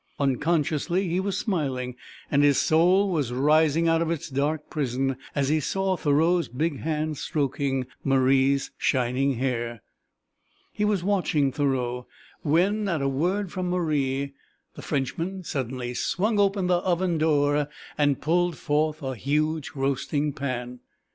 Unconsciously he was smiling and his soul was rising out of its dark prison as he saw Thoreau's big hand stroking Marie's shining hair. He was watching Thoreau when, at a word from Marie, the Frenchman suddenly swung open the oven door and pulled forth a huge roasting pan.